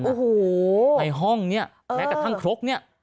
โอ้โหในห้องเนี่ยแม้กระทั่งครกเนี่ย